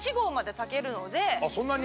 そんなに？